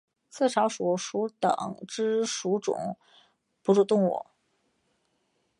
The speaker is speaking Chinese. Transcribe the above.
刺巢鼠属等之数种哺乳动物。